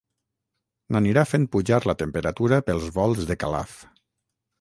N'anirà fent pujar la temperatura pels volts de Calaf.